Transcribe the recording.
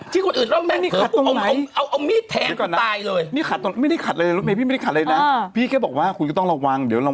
จัดรายการจะเล่าเรื่องหนูเนี่ย